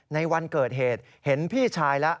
ในวันเกิดเหตุเห็นพี่ชายแล้ว